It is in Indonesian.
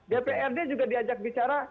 dprd juga diajak bicara